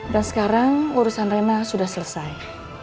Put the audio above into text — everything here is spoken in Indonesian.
dan sekarang urusan rena sudah selesai